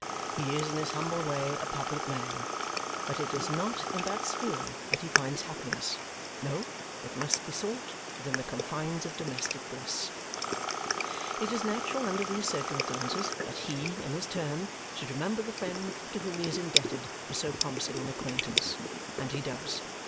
He is in his humble way a public man, but it is not in that sphere that he finds happiness. No, it must be sought within the confines of domestic bliss. It is natural, under these circumstances, that he, in his turn, should remember the friend to whom he is indebted for so promising an acquaintance. And he does.